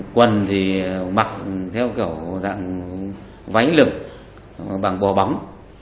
quần thì mặc theo kiểu dạng váy lực bằng bò bóng